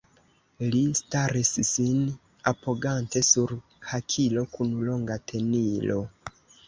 Li staris, sin apogante sur hakilo kun longa tenilo.